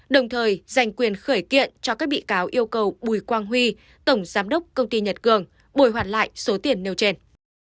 đồng thời dành quyền khởi kiện cho các bị cáo yêu cầu bùi quang huy tổng giám đốc công ty nhật cường bồi hoàn lại số tiền nêu trên